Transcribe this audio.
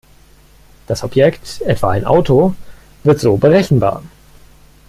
Das Objekt, etwa ein Auto, wird so berechenbar.